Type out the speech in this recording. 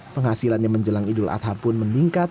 penghasilannya menjelang idul adha pun meningkat